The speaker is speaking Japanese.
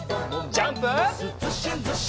ジャンプ！